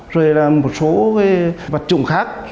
rồi là một số vật chủng khác